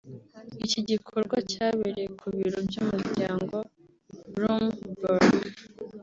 Icyi gikorwa cyabereye ku biro by’umuryango Bloomberg